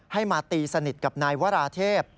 ให้มาตีสนิทกับนายวราเทพ